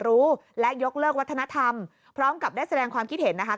รู้และยกเลิกวัฒนธรรมพร้อมกับได้แสดงความคิดเห็นนะคะ